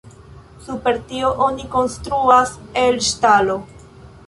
Super tio oni konstruas el ŝtalo.